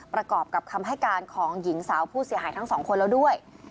ประกอบกับคำให้การของหญิงสาวผู้เสียหายทั้งสองคนแล้วด้วย